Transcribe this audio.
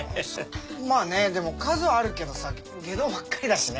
まぁねでも数はあるけどさ外道ばっかりだしね。